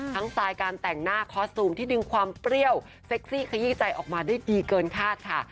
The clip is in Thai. สไตล์การแต่งหน้าคอสซูมที่ดึงความเปรี้ยวเซ็กซี่ขยี้ใจออกมาได้ดีเกินคาดค่ะ